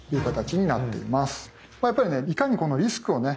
やっぱりねいかにこのリスクをね